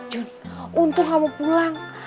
jun untung kamu pulang